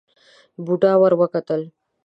بوډا ور وکتل.